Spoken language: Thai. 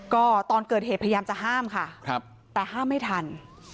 ก็ตอนเกิดเหตุพยายามจะห้ามค่ะแต่ห้ามไม่ทัน